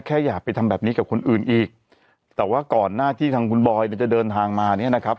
อย่าไปทำแบบนี้กับคนอื่นอีกแต่ว่าก่อนหน้าที่ทางคุณบอยจะเดินทางมาเนี่ยนะครับ